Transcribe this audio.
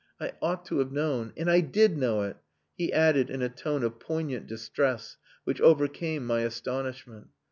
I ought to have known.... And I did know it," he added in a tone of poignant distress which overcame my astonishment.